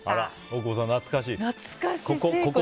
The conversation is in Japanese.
大久保さん、懐かしい？